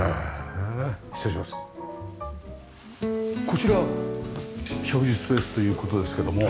こちら食事スペースという事ですけども。